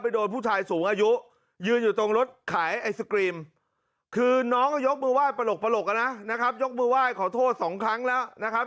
โดนผู้ชายสูงอายุยืนอยู่ตรงรถขายไอศกรีมคือน้องก็ยกมือไห้ปลกนะนะครับยกมือไหว้ขอโทษสองครั้งแล้วนะครับ